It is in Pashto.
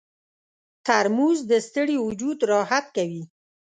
ترموز د ستړي وجود راحت کوي.